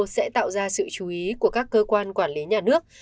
sẽ tạo ra sự chú ý của các cơ quan quản lý nhà nước